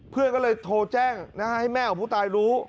เพื่อนก็เลยโทรแจ้งให้แม่ของผู้ตายรู้